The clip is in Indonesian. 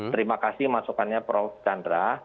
terima kasih masukannya prof chandra